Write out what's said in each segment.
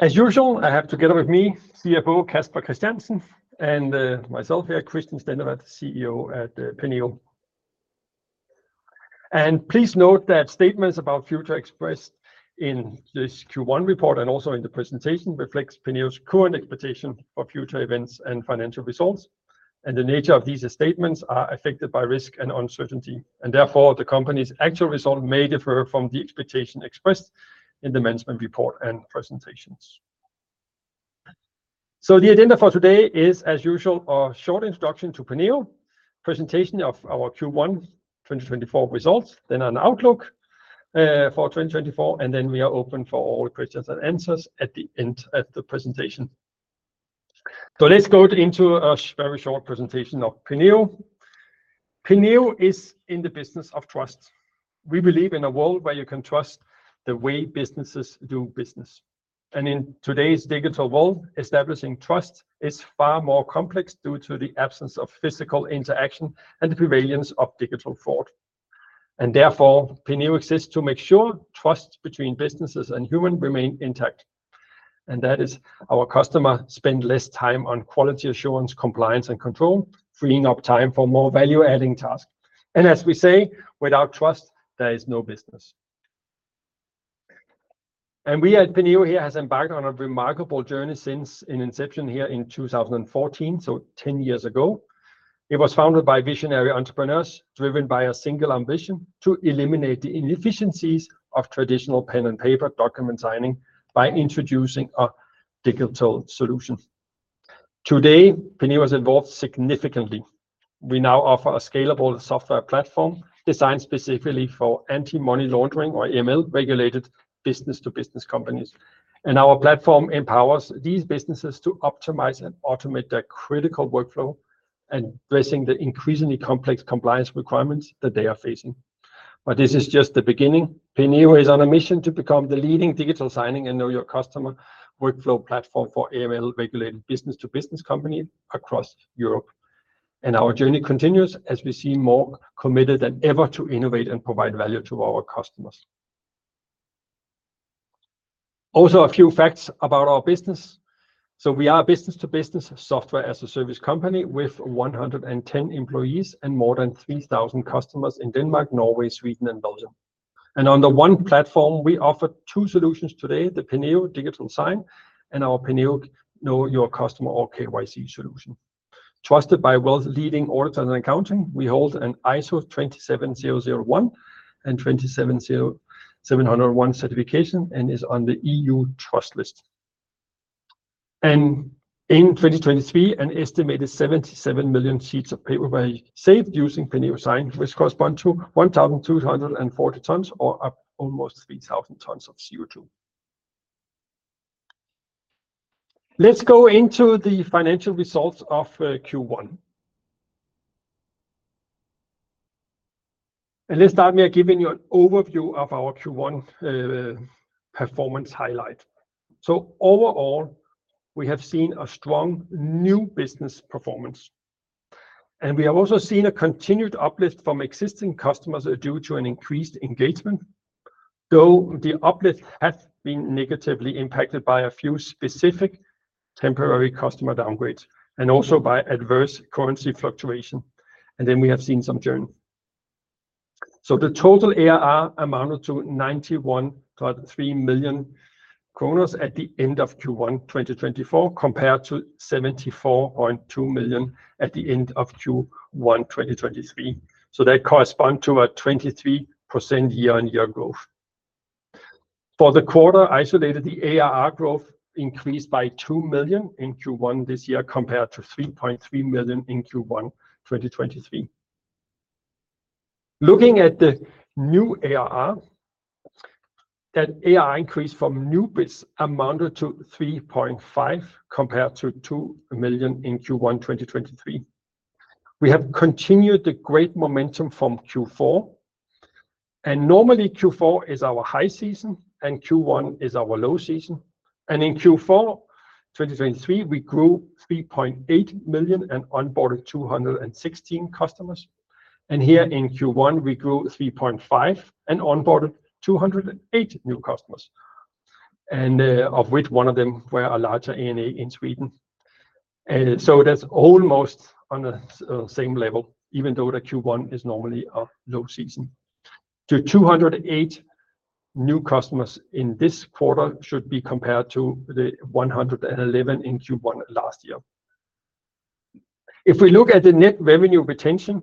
As usual, I have together with me, CFO Casper Christiansen, and myself here, Christian Stenderup, the CEO at Penneo. And please note that statements about future expressed in this Q1 report and also in the presentation, reflects Penneo's current expectation for future events and financial results, and the nature of these statements are affected by risk and uncertainty, and therefore, the company's actual result may differ from the expectation expressed in the management report and presentations. So, the agenda for today is, as usual, a short introduction to Penneo, presentation of our Q1 2024 results, then an outlook for 2024, and then we are open for all questions and answers at the end of the presentation. So, let's go into a very short presentation of Penneo. Penneo is in the business of trust. We believe in a world where you can trust the way businesses do business, and in today's digital world, establishing trust is far more complex due to the absence of physical interaction and the prevalence of digital fraud. And therefore, Penneo exists to make sure trust between businesses and human remain intact, and that is our customer spend less time on quality assurance, compliance, and control, freeing up time for more value-adding tasks. And as we say, without trust, there is no business. And we at Penneo here has embarked on a remarkable journey since its inception here in 2014, so, 10 years ago. It was founded by visionary entrepreneurs, driven by a single ambition, to eliminate the inefficiencies of traditional pen and paper document signing by introducing a digital solution. Today, Penneo has evolved significantly. We now offer a scalable software platform designed specifically for anti-money laundering or AML-regulated business-to-business companies. Our platform empowers these businesses to optimize and automate their critical workflow and addressing the increasingly complex compliance requirements that they are facing. This is just the beginning. Penneo is on a mission to become the leading digital signing and know your customer workflow platform for AML-regulated business-to-business company across Europe. Our journey continues as we seem more committed than ever to innovate and provide value to our customers. Also, a few facts about our business. We are a business-to-business software as a service company with 110 employees and more than 3,000 customers in Denmark, Norway, Sweden and Belgium. On the one platform, we offer two solutions today, the Penneo Digital Sign and our Penneo Know Your Customer or KYC solution. Trusted by the world's leading audit and accounting, we hold an ISO 27001 and ISO 27701 certification, and is on the EU Trust List. In 2023, an estimated 77 million sheets of paper were saved using Penneo Sign, which correspond to 1,240 tons or up almost 3,000 tons of CO2. Let's go into the financial results of Q1. Let's start by giving you an overview of our Q1 performance highlight. So, overall, we have seen a strong new business performance, and we have also seen a continued uplift from existing customers due to an increased engagement, though the uplift has been negatively impacted by a few specific temporary customer downgrades, and also by adverse currency fluctuation. Then we have seen some churn. So, the total ARR amounted to 91.3 million kroner at the end of Q1, 2024, compared to 74.2 million at the end of Q1, 2023. So, that correspond to a 23% year-on-year growth. For the quarter isolated, the ARR growth increased by 2 million in Q1 this year, compared to 3.3 million in Q1, 2023. Looking at the new ARR, that ARR increase from new biz amounted to 3.5 million, compared to 2 million in Q1, 2023. We have continued the great momentum from Q4, and normally, Q4 is our high season, and Q1 is our low season. And in Q4, 2023, we grew 3.8 million and onboarded 216 customers. Here in Q1, we grew 3.5 and onboarded 208 new customers, and of which one of them were a larger A&A in Sweden. So, that's almost on the same level, even though the Q1 is normally a low season. The 208 new customers in this quarter should be compared to the 111 in Q1 last year. If we look at the net revenue retention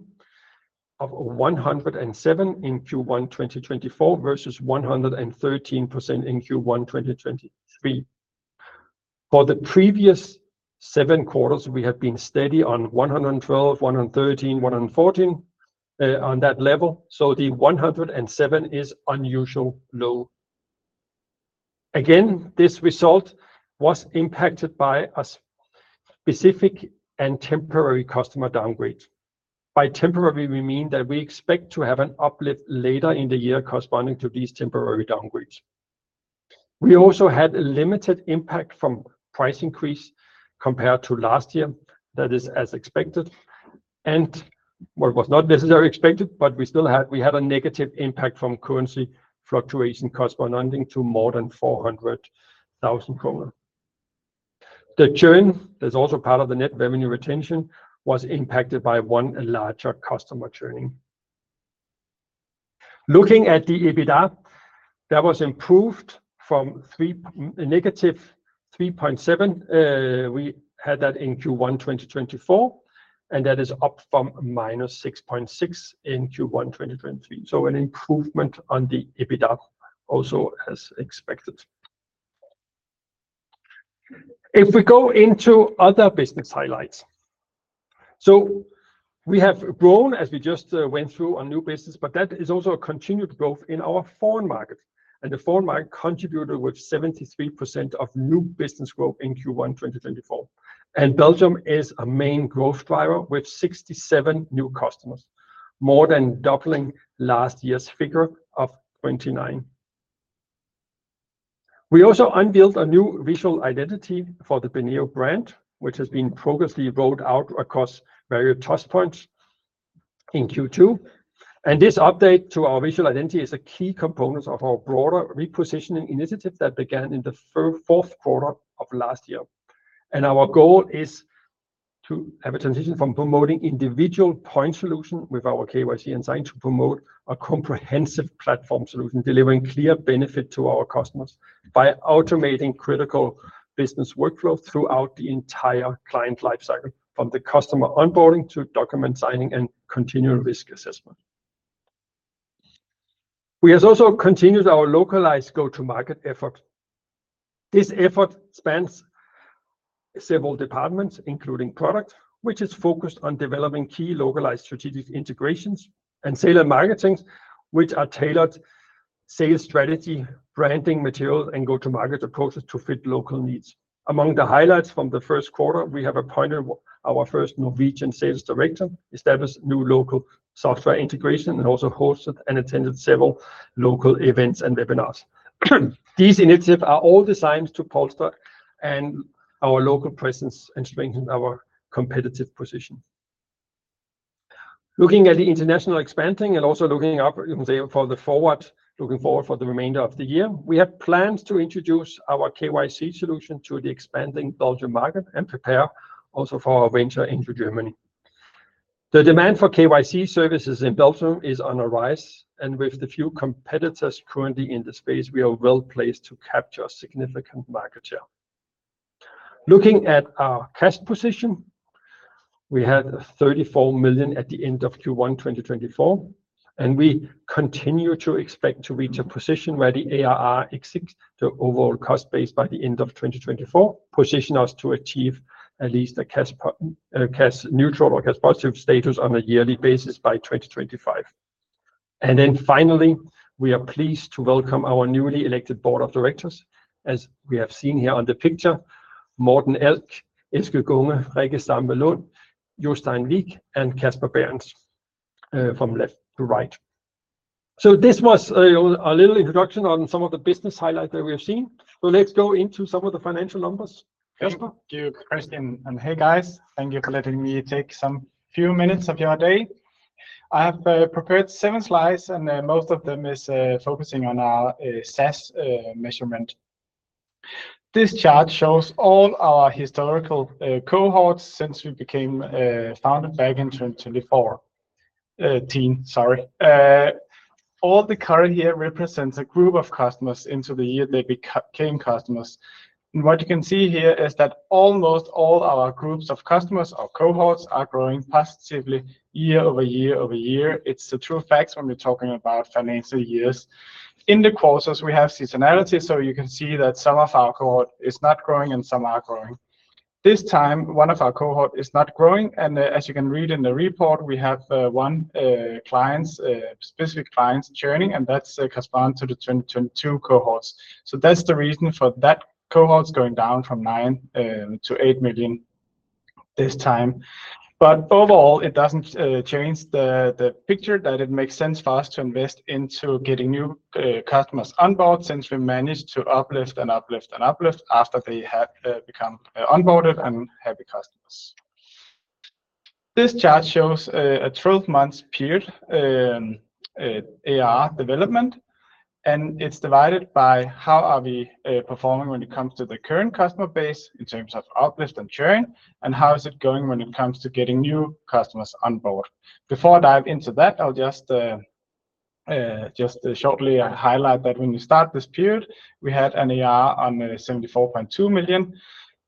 of 107 in Q1 2024, versus 113% in Q1 2023. For the previous seven quarters, we have been steady on 112, 113, 114 on that level. So, the 107 is unusual low. Again, this result was impacted by a specific and temporary customer downgrade. By temporary, we mean that we expect to have an uplift later in the year corresponding to these temporary downgrades. We also had a limited impact from price increase compared to last year, that is as expected... and what was not necessarily expected, but we still had a negative impact from currency fluctuation corresponding to more than 400,000 kroner. The churn is also part of the net revenue retention, was impacted by one larger customer churning. Looking at the EBITDA, that was improved from negative 3.7. We had that in Q1 2024, and that is up from -6.6 in Q1 2023. An improvement on the EBITDA also as expected. If we go into other business highlights. So, we have grown, as we just went through on new business, but that is also a continued growth in our foreign market. And the foreign market contributed with 73% of new business growth in Q1 2024. And Belgium is a main growth driver with 67 new customers, more than doubling last year's figure of 29. We also unveiled a new visual identity for the Penneo brand, which has been progressively rolled out across various touch points in Q2. And this update to our visual identity is a key component of our broader repositioning initiative that began in the fourth quarter of last year. Our goal is to have a transition from promoting individual point solution with our KYC insight, to promote a comprehensive platform solution, delivering clear benefit to our customers by automating critical business workflow throughout the entire client life cycle, from the customer onboarding to document signing and continual risk assessment. We have also continued our localized go-to-market effort. This effort spans several departments, including product, which is focused on developing key localized strategic integrations and sales and marketing, which are tailored sales strategy, branding material, and go-to-market approaches to fit local needs. Among the highlights from the first quarter, we have appointed our first Norwegian sales director, established new local software integration, and also hosted and attended several local events and webinars. These initiatives are all designed to bolster our local presence and strengthen our competitive position. Looking at the international expansion and also looking forward for the remainder of the year, we have plans to introduce our KYC solution to the expanding Belgian market and prepare also for our venture into Germany. The demand for KYC services in Belgium is on a rise, and with the few competitors currently in the space, we are well-placed to capture significant market share. Looking at our cash position, we had 34 million at the end of Q1 2024, and we continue to expect to reach a position where the ARR exceeds the overall cost base by the end of 2024, position us to achieve at least a cash neutral or cash positive status on a yearly basis by 2025. Then finally, we are pleased to welcome our newly elected board of directors. As we have seen here on the picture, Morten Elk, Eske Ginge, Rikke Stampe, Jostein Vik, and Casper Bernth from left to right. This was a little introduction on some of the business highlights that we have seen. So, let's go into some of the financial numbers. Casper? Thank you, Christian. Hey, guys, thank you for letting me take some few minutes of your day. I have prepared 7 slides, and most of them is focusing on our SaaS measurement. This chart shows all our historical cohorts since we became founded back in 2014. All the current year represents a group of customers into the year they became customers. And what you can see here is that almost all our groups of customers or cohorts are growing positively year over year over year. It's the true facts when we're talking about financial years. In the quarters, we have seasonality, so you can see that some of our cohort is not growing and some are growing. This time, one of our cohorts is not growing, and as you can read in the report, we have one specific client's churning, and that's correspond to the 2022 cohorts. So that's the reason for that cohort is going down from 9 million to 8 million this time. But overall, it doesn't change the picture, that it makes sense for us to invest into getting new customers on board, since we managed to uplift and uplift and uplift after they have become onboarded and happy customers. This chart shows a 12-month period ARR development, and it's divided by how we are performing when it comes to the current customer base in terms of uplift and churning, and how is it going when it comes to getting new customers on board. Before I dive into that, I'll just shortly highlight that when we start this period, we had an ARR of 74.2 million.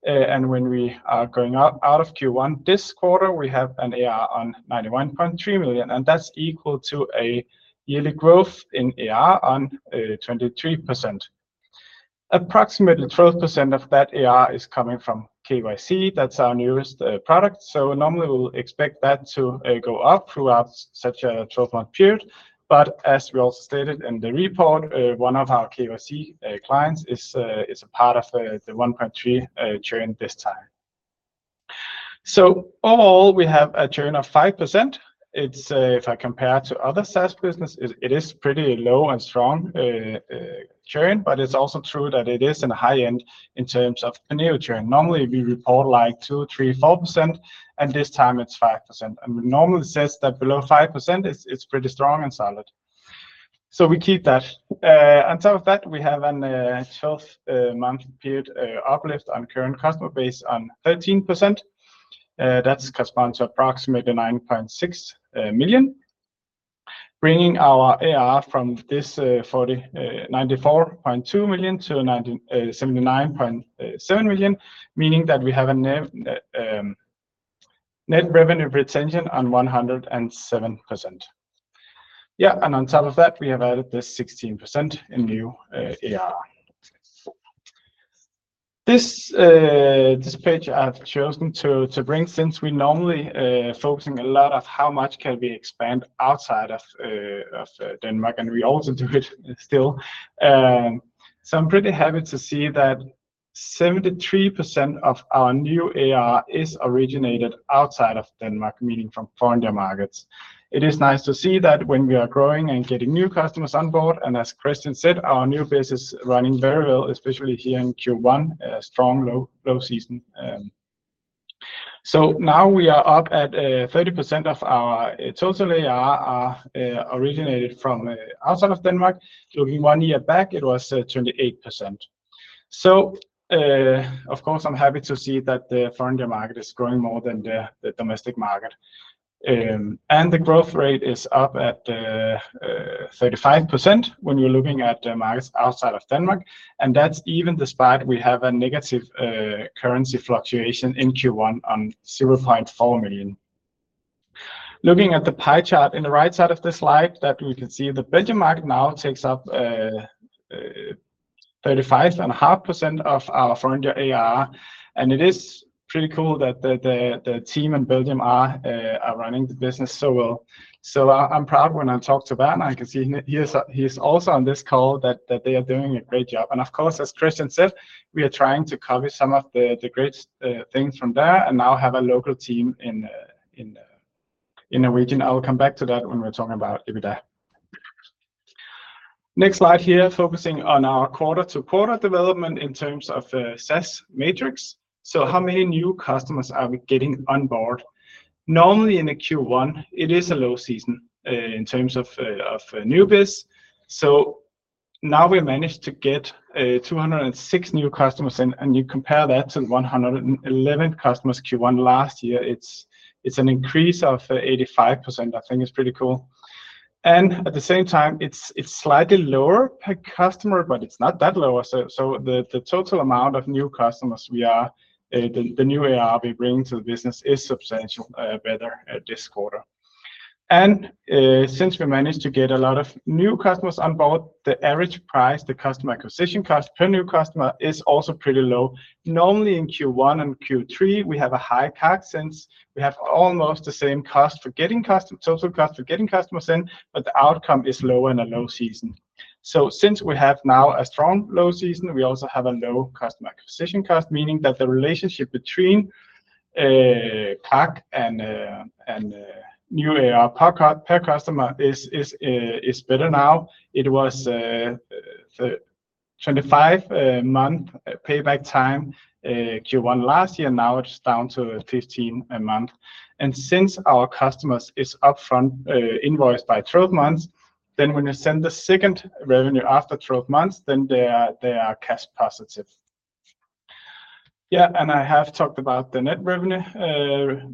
And when we are going out of Q1 this quarter, we have an ARR of 91.3 million, and that's equal to a yearly growth in ARR of 23%. Approximately 12% of that ARR is coming from KYC. That's our newest product, so, normally, we'll expect that to go up throughout such a twelve-month period. But as we also stated in the report, one of our KYC clients is a part of the 1.3 churn this time. So, overall, we have a churn of 5%... It's, if I compare to other SaaS business, it is pretty low and strong churn, but it's also true that it is in the high end in terms of the new churn. Normally, we report like 2%, 3%, 4%, and this time it's 5%. We normally say that below 5% is pretty strong and solid, so we keep that. On top of that, we have a 12-month period uplift on current customer base of 13%. That corresponds to approximately 9.6 million, bringing our ARR from this 94.2 million to 97.7 million, meaning that we have a net revenue retention of 107%. Yeah, and on top of that, we have added the 16% in new ARR. This page I've chosen to bring, since we normally focusing a lot of how much can we expand outside of Denmark, and we also do it still. So, I'm pretty happy to see that 73% of our new ARR is originated outside of Denmark, meaning from foreign markets. It is nice to see that when we are growing and getting new customers on board, and as Christian said, our new business is running very well, especially here in Q1, a strong low season. So, now we are up at 30% of our total ARR originated from outside of Denmark. Looking one year back, it was 28%. Of course, I'm happy to see that the foreign market is growing more than the domestic market. The growth rate is up at 35% when you're looking at the markets outside of Denmark, and that's even despite we have a negative currency fluctuation in Q1 of 0.4 million. Looking at the pie chart in the right side of the slide that we can see, the Belgium market now takes up 35.5% of our foreign ARR, and it is pretty cool that the team in Belgium are running the business so well. I'm proud when I talk to them, and I can see he is also on this call that they are doing a great job. Of course, as Christian said, we are trying to cover some of the great things from there, and now have a local team in the region. I will come back to that when we're talking about EBITDA. Next slide here, focusing on our quarter-to-quarter development in terms of the SaaS metrics. So how many new customers are we getting on board? Normally, in a Q1, it is a low season in terms of new biz. So now we managed to get 206 new customers in, and you compare that to 111 customers Q1 last year, it's an increase of 85%. I think it's pretty cool. And at the same time, it's slightly lower per customer, but it's not that lower. So the total amount of new customers we are, the new ARR we bring to the business is substantially better at this quarter. And since we managed to get a lot of new customers on board, the average price, the customer acquisition cost per new customer is also pretty low. Normally, in Q1 and Q3, we have a high CAC since we have almost the same cost for getting total cost for getting customers in, but the outcome is low in a low season. So, since we have now a strong low season, we also have a low customer acquisition cost, meaning that the relationship between CAC and new ARR per customer is better now. It was 25-month payback time, Q1 last year, now it's down to 15 month. Since our customers is upfront, invoiced by 12 months, then when you send the second revenue after 12 months, then they are, they are cash positive. Yeah, and I have talked about the net revenue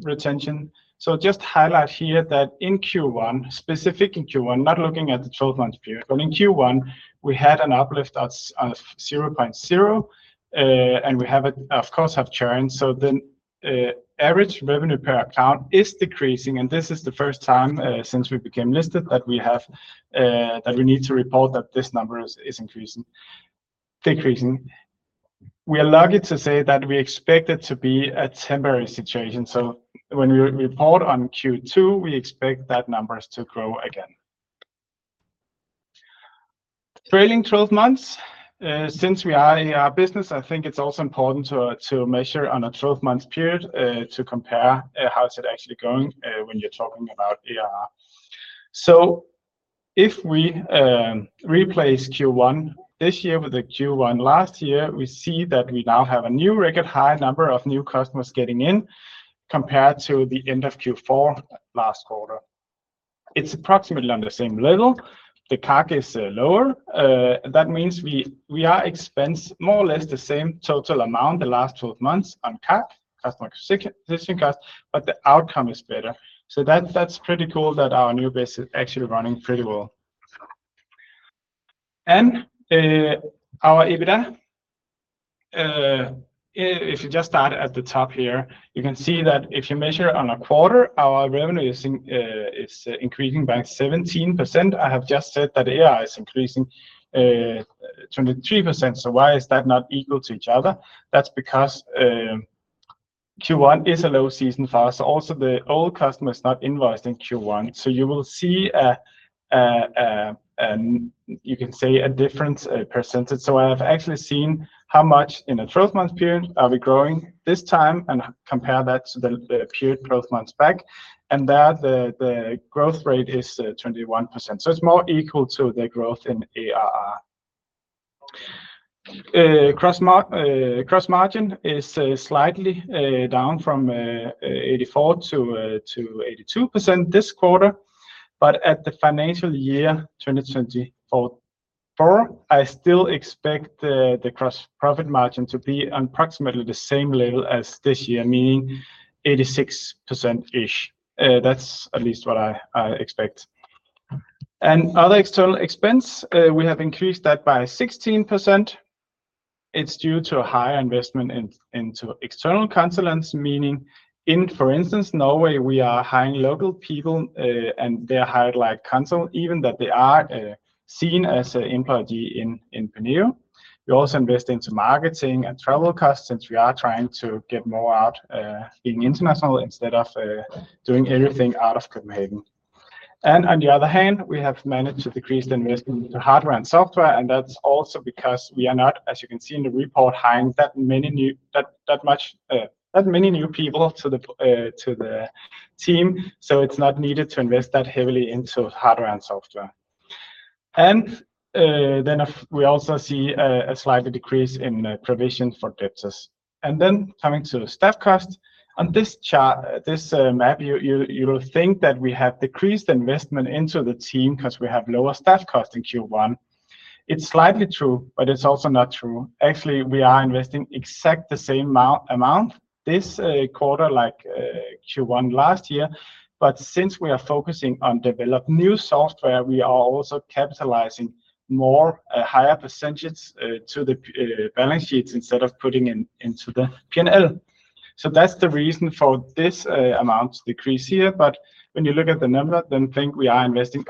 retention. So, just highlight here that in Q1, specific in Q1, not looking at the 12-month period, but in Q1, we had an uplift of 0.0, and we have, of course, churned, so, the average revenue per account is decreasing, and this is the first time since we became listed that we need to report that this number is increasing-decreasing. We are lucky to say that we expect it to be a temporary situation, so, when we report on Q2, we expect that numbers to grow again. Trailing 12 months, since we are in a ARR business, I think it's also important to, to measure on a 12-month period, to compare, how is it actually going, when you're talking about ARR. So, if we, replace Q1 this year with the Q1 last year, we see that we now have a new record high number of new customers getting in compared to the end of Q4 last quarter. It's approximately on the same level. The CAC is, lower. That means we, we are expensing more or less the same total amount the last 12 months on CAC, customer acquisition cost, but the outcome is better. So that, that's pretty cool that our new business is actually running pretty well. Our EBITDA, if you just start at the top here, you can see that if you measure on a quarter, our revenue is increasing by 17%. I have just said that ARR is increasing 23%, so why is that not equal to each other? That's because Q1 is a low season for us. Also, the old customer is not invoiced in Q1, so you will see a different percentage. So, I have actually seen how much in a 12-month period are we growing this time and compare that to the period 12 months back, and there the growth rate is 21%. So, it's more equal to the growth in ARR. Gross margin is slightly down from 84% to 82% this quarter, but at the financial year 2024, I still expect the gross profit margin to be approximately the same level as this year, meaning 86%ish. That's at least what I expect. Other external expenses we have increased that by 16%. It's due to a higher investment into external consultants, meaning in, for instance, Norway, we are hiring local people, and they are hired like consultants, even though they are seen as an employee in Penneo. We also invest into marketing and travel costs since we are trying to get more out, being international instead of doing everything out of Copenhagen. On the other hand, we have managed to decrease the investment into hardware and software, and that's also because we are not, as you can see in the report, hiring that many new people to the team, so it's not needed to invest that heavily into hardware and software. Then we also see a slight decrease in provision for debtors. Then coming to staff costs, on this chart, this map, you will think that we have decreased investment into the team 'cause we have lower staff cost in Q1. It's slightly true, but it's also not true. Actually, we are investing exact the same amount this quarter, like Q1 last year. But since we are focusing on develop new software, we are also capitalizing more, higher percentages, to the balance sheets instead of putting in, into the P&L. So that's the reason for this amount decrease here, but when you look at the number, then think we are investing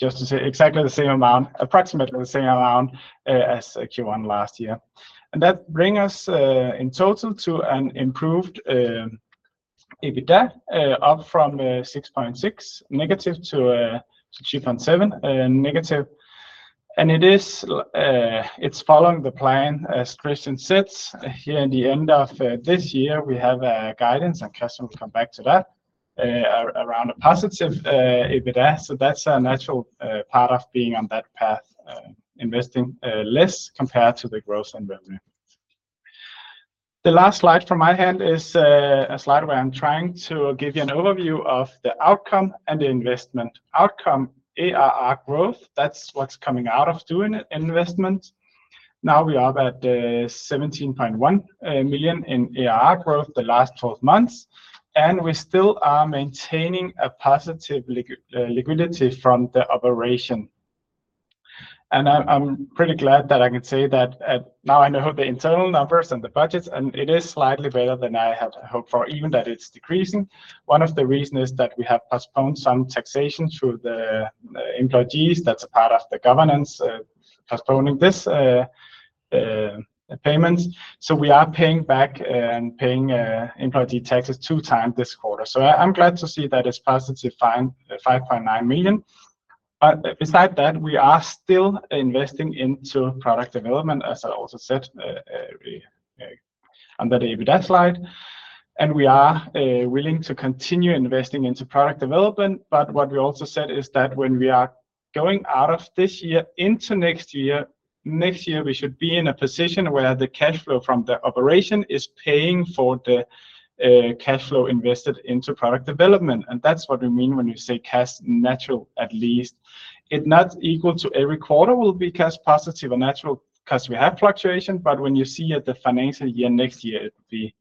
just to say exactly the same amount, approximately the same amount, as Q1 last year. And that bring us in total to an improved EBITDA, up from -6.6 to -3.7. And it is, it's following the plan, as Christian said. Here in the end of this year, we have a guidance, and Christian will come back to that, around a positive EBITDA. So, that's a natural part of being on that path, investing less compared to the growth and revenue. The last slide from my hand is a slide where I'm trying to give you an overview of the outcome and the investment outcome, ARR growth, that's what's coming out of doing an investment. Now we are about 17.1 million in ARR growth the last 12 months, and we still are maintaining a positive liquidity from the operation. And I'm pretty glad that I can say that, now I know the internal numbers and the budgets, and it is slightly better than I had hoped for, even that it's decreasing. One of the reason is that we have postponed some taxation through the employees. That's a part of the governance, postponing this payments. So, we are paying back and paying employee taxes two times this quarter. So, I'm glad to see that it's positive 5.9 million. But besides that, we are still investing into product development, as I also said on that EBITDA slide, and we are willing to continue investing into product development. But what we also said is that when we are going out of this year into next year, next year, we should be in a position where the cash flow from the operation is paying for the cash flow invested into product development, and that's what we mean when we say cash neutral, at least. It not equal to every quarter will be cash positive or neutral 'cause we have fluctuation, but when you see at the financial year next year, it will be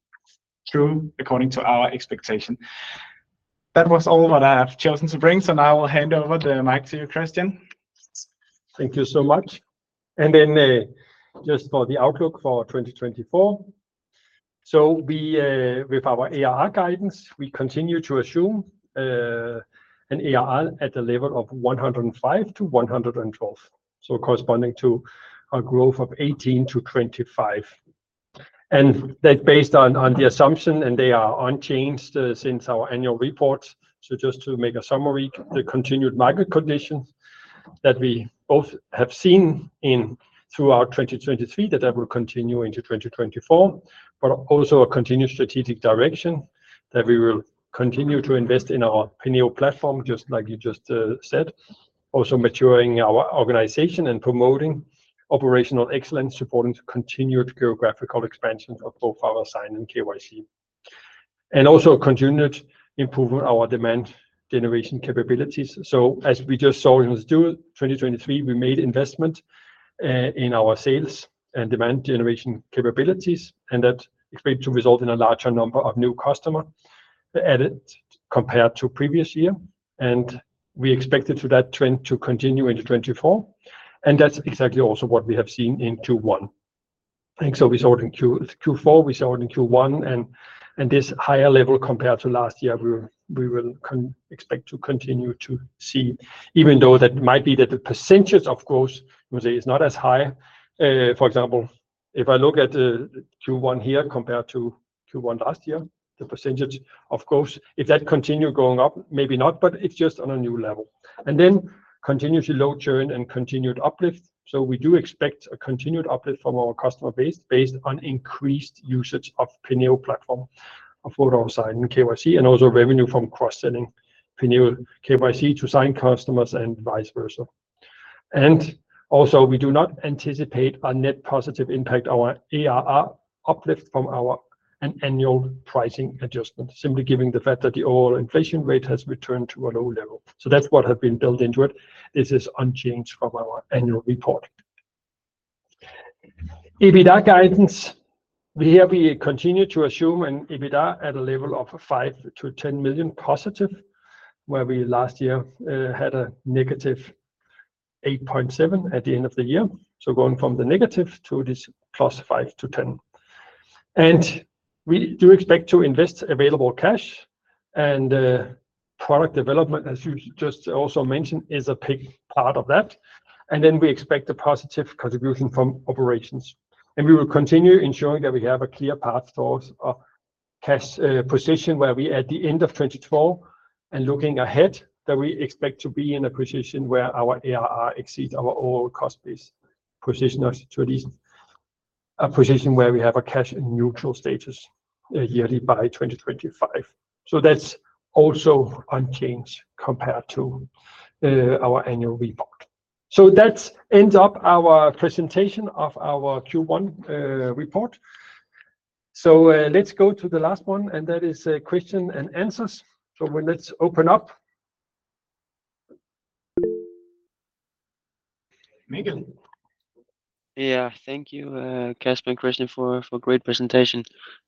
true according to our expectation. That was all what I have chosen to bring, so now I will hand over the mic to you, Christian. Thank you so much. Then, just for the outlook for 2024. So, we, with our ARR guidance, we continue to assume, an ARR at the level of 105-112, so corresponding to a growth of 18%-25%. And that based on the assumption, and they are unchanged since our annual report. So, just to make a summary, the continued market conditions that we both have seen throughout 2023, that will continue into 2024, but also a continued strategic direction, that we will continue to invest in our Penneo platform, just like you just said. Also maturing our organization and promoting operational excellence, supporting to continued geographical expansion of both our Sign and KYC. And also continued improvement our demand generation capabilities. So, as we just saw in June 2023, we made investment in our sales and demand generation capabilities, and that expected to result in a larger number of new customer added compared to previous year, and we expected for that trend to continue into 2024, and that's exactly also what we have seen in Q1. And so, we saw it in Q4, we saw it in Q1, and this higher level compared to last year, we will expect to continue to see, even though that might be that the percentage of growth, you would say, is not as high. For example, if I look at Q1 here compared to Q1 last year, the percentage of growth, if that continue going up, maybe not, but it's just on a new level. And then continuously low churn and continued uplift. So, we do expect a continued uplift from our customer base, based on increased usage of Penneo platform, of Penneo Sign and KYC, and also revenue from cross-selling Penneo KYC to Sign customers and vice versa. And also, we do not anticipate a net positive impact on our ARR uplift from our annual pricing adjustment, simply given the fact that the overall inflation rate has returned to a low level. So that's what have been built into it. This is unchanged from our annual report. EBITDA guidance, here we continue to assume an EBITDA at a level of 5 million-10 million positive, where we last year had a negative 8.7 million at the end of the year. So going from the negative to this plus 5 million-10 million. And we do expect to invest available cash and, product development, as you just also mentioned, is a big part of that, and then we expect a positive contribution from operations. And we will continue ensuring that we have a clear path towards a cash, position where we at the end of 2024, and looking ahead, that we expect to be in a position where our ARR exceeds our overall cost base position to at least a position where we have a cash and neutral status, yearly by 2025. So, that's also unchanged compared to, our annual report. So that ends up our presentation of our Q1, report. So, let's go to the last one, and that is, question and answers. So let's open up. Mikkel? Yeah. Thank you, Casper and Christian, for a great presentation.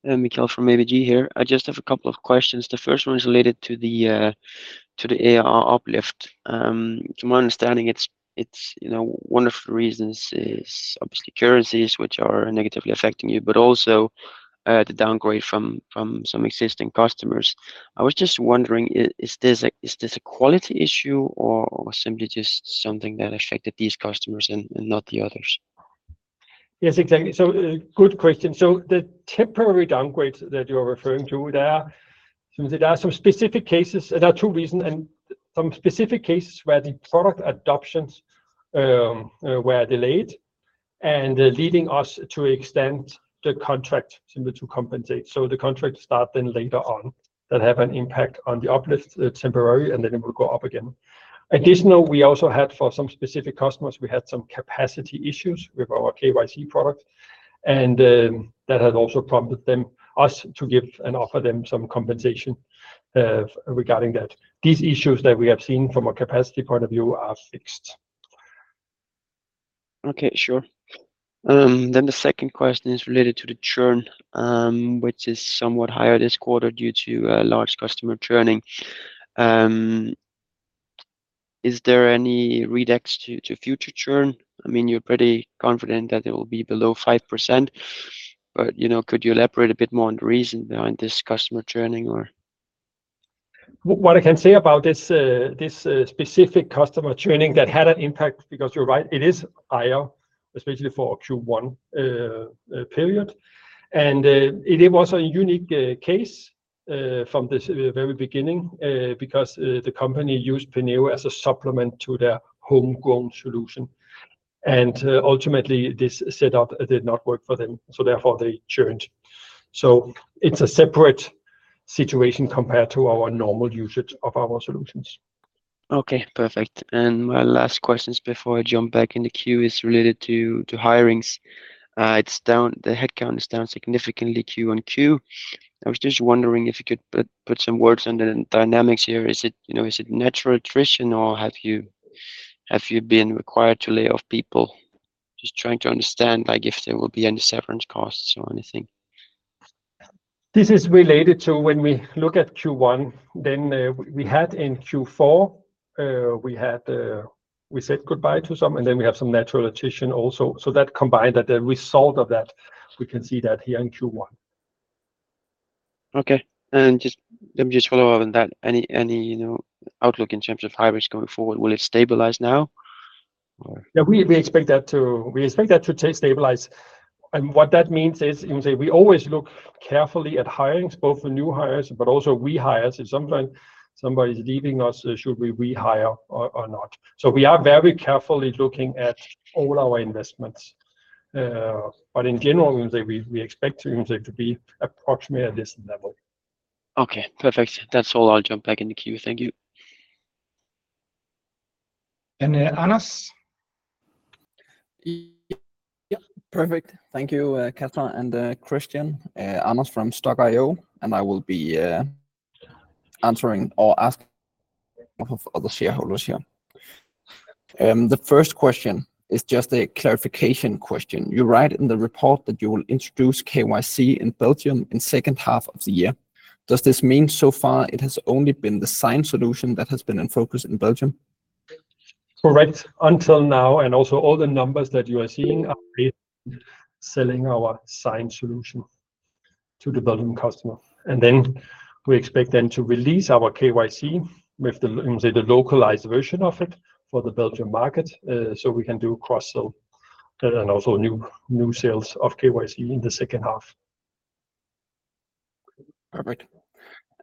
Mikkel from ABG here. I just have a couple of questions. The first one is related to the ARR uplift. To my understanding, it's you know, one of the reasons is obviously currencies, which are negatively affecting you, but also the downgrade from some existing customers. I was just wondering, is this a quality issue or simply just something that affected these customers and not the others? Yes, exactly. So good question. So the temporary downgrade that you're referring to there, so there are some specific cases... There are two reasons, and some specific cases where the product adoptions were delayed, and leading us to extend the contract simply to compensate. So the contract start then later on, that have an impact on the uplift temporary, and then it will go up again. Additional, we also had, for some specific customers, we had some capacity issues with our KYC product, and that had also prompted them, us to give and offer them some compensation, regarding that. These issues that we have seen from a capacity point of view are fixed. Okay, sure. Then the second question is related to the churn, which is somewhat higher this quarter due to a large customer churning. Is there any readouts to, to future churn? I mean, you're pretty confident that it will be below 5%, but, you know, could you elaborate a bit more on the reason behind this customer churning or? What I can say about this, this specific customer churning that had an impact, because you're right, it is higher, especially for Q1 period. And it was a unique case from the very beginning, because the company used Penneo as a supplement to their homegrown solution, and ultimately, this setup did not work for them, so therefore they churned. So, it's a separate situation compared to our normal usage of our solutions. Okay, perfect. And my last questions before I jump back in the queue is related to, to hirings. It's down, the headcount is down significantly Q on Q. I was just wondering if you could put, put some words on the dynamics here. Is it, you know, is it natural attrition, or have you, have you been required to lay off people? Just trying to understand, like if there will be any severance costs or anything. This is related to when we look at Q1, then we had in Q4, we had. We said goodbye to some, and then we have some natural attrition also. So that combined, that the result of that, we can see that here in Q1. Okay. Just, let me just follow up on that. Any, any, you know, outlook in terms of hirings going forward? Will it stabilize now or- Yeah, we expect that to stabilize. And what that means is, you know, say, we always look carefully at hirings, both for new hires, but also rehires. If sometime somebody's leaving us, should we rehire or not? So we are very carefully looking at all our investments. But in general, we expect to be approximately at this level. Okay, perfect. That's all. I'll jump back in the queue. Thank you. And, Anders? Yeah. Perfect. Thank you, Casper and, Christian. Anders from Stokk.io, and I will be answering or asking of other shareholders here. The first question is just a clarification question. You write in the report that you will introduce KYC in Belgium in second half of the year. Does this mean so far it has only been the sign solution that has been in focus in Belgium? Correct. Until now, and also all the numbers that you are seeing are selling our sign solution to the Belgian customer. And then we expect them to release our KYC with the, let me say, the localized version of it for the Belgian market, so, we can do cross-sell, and also new sales of KYC in the second half. Perfect.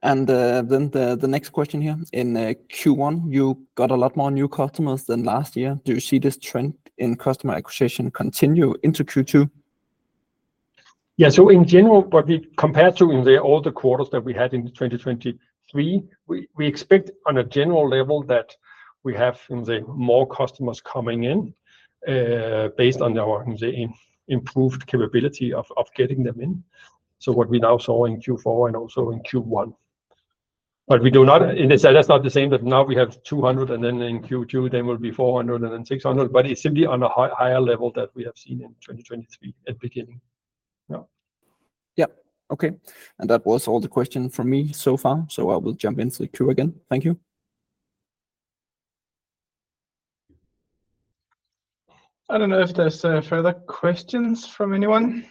Then the next question here, in Q1, you got a lot more new customers than last year. Do you see this trend in customer acquisition continue into Q2? Yeah, so in general, what we compared to in all the quarters that we had in 2023, we expect on a general level that we have more customers coming in based on our improved capability of getting them in. So what we now saw in Q4 and also in Q1. But we do not—and that's not the same, but now we have 200, and then in Q2, there will be 400 and then 600. But it's simply on a higher level that we have seen in 2023 at beginning. Yeah. Yeah. Okay. That was all the question from me so far, so I will jump into the queue again. Thank you. I don't know if there's further questions from anyone.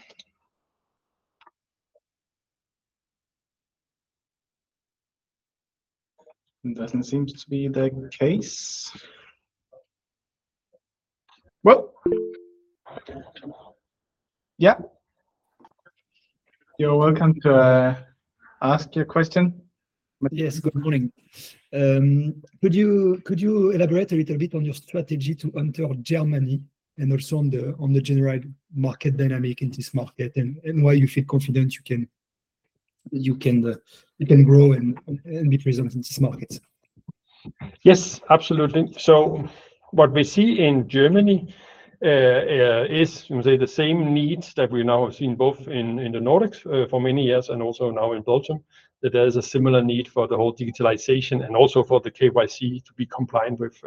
It doesn't seem to be the case. Well, yeah. You're welcome to ask your question. Yes, good morning. Could you elaborate a little bit on your strategy to enter Germany and also on the general market dynamic in this market, and why you feel confident you can grow and be present in this market? Yes, absolutely. So, what we see in Germany is the same needs that we now have seen both in the Nordics for many years and also now in Belgium, that there is a similar need for the whole digitalization and also for the KYC to be compliant with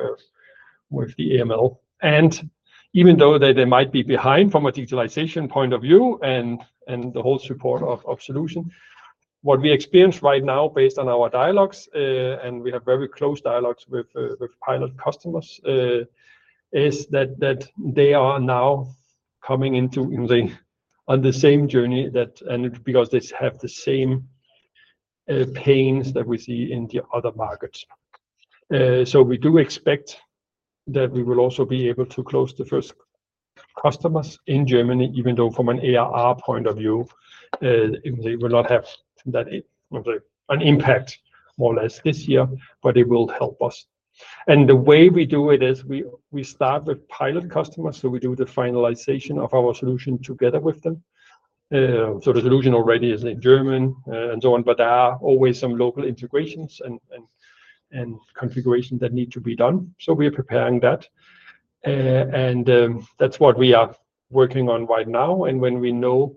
the AML. And even though they might be behind from a digitalization point of view and the whole support of solution, what we experience right now, based on our dialogues, and we have very close dialogues with pilot customers, is that they are now coming into the same journey that—and because they have the same pains that we see in the other markets. So, we do expect that we will also be able to close the first customers in Germany, even though from an ARR point of view, they will not have that an impact, more or less this year, but it will help us. And the way we do it is we start with pilot customers, so we do the finalization of our solution together with them. So the solution already is in German and so on, but there are always some local integrations and configuration that need to be done. So we are preparing that, and that's what we are working on right now. And when we know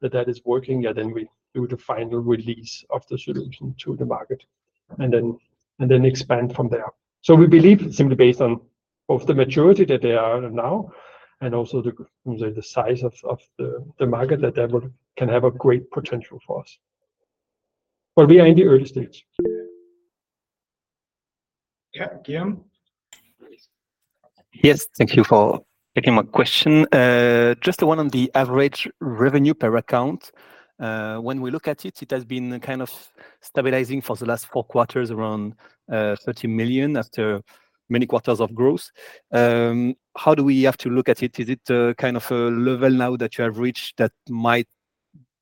that that is working, yeah, then we do the final release of the solution to the market and then expand from there. So we believe simply based on both the maturity that they are now and also the size of the market, that can have a great potential for us. But we are in the early stages. Yeah. Guillaume? Yes, thank you for taking my question. Just one on the average revenue per account. When we look at it, it has been kind of stabilizing for the last four quarters, around 30 million after many quarters of growth. How do we have to look at it? Is it kind of a level now that you have reached that might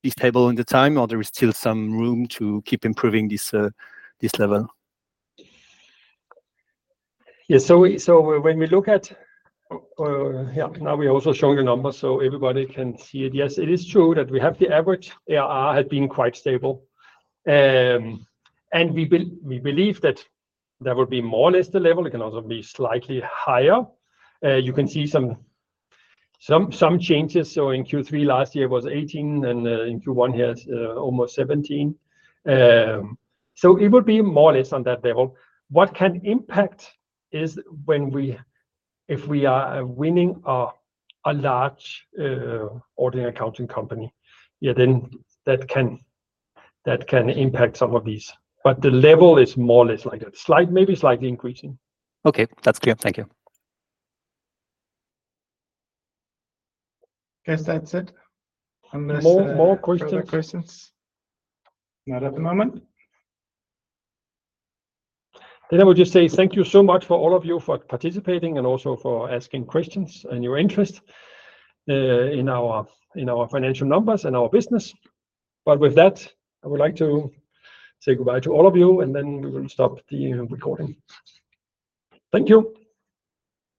be stable in the time, or there is still some room to keep improving this this level? Yeah. So when we look at, yeah, now we're also showing the numbers so everybody can see it. Yes, it is true that we have the average. ARR has been quite stable, and we believe that there will be more or less the level. It can also be slightly higher. You can see some changes. So, in Q3 last year was 18, and in Q1 here, almost 17. So, it would be more or less on that level. What can impact is when we—if we are winning a large auditing accounting company, yeah, then that can impact some of these. But the level is more or less like that. Slight, maybe slightly increasing. Okay, that's clear. Thank you. Guess that's it. Unless, More, more questions.... Further questions? Not at the moment. Then I would just say thank you so much for all of you for participating and also for asking questions and your interest in our, in our financial numbers and our business. But with that, I would like to say goodbye to all of you, and then we will stop the recording. Thank you.